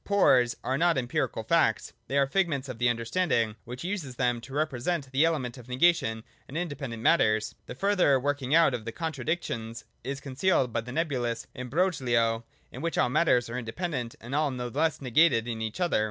Pores are not empirical facts ; they are figments of the understanding, which uses them to re present the element of negation in independent matters. The further working out of the contradictions is con cealed by the nebulous imbrogho in which all matters are independent and all no less negated in each other.